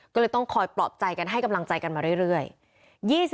ก็เลยต้องคอยปลอบใจกันให้กำลังใจกันมาเรื่อย